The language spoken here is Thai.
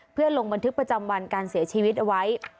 เพื่อลงบันทึกประจำวันการเสียชีวิตเอาไว้